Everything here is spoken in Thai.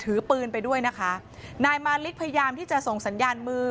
ถือปืนไปด้วยนะคะนายมาริกพยายามที่จะส่งสัญญาณมือ